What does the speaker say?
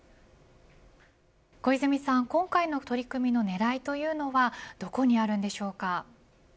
小泉さん、今回の取り組みの狙いというのはどこにあるのでしょうか。